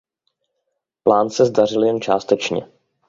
Plán se zdařil jen částečně.